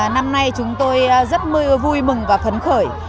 năm nay chúng tôi rất vui mừng và phấn khởi